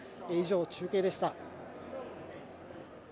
以上、中継でした。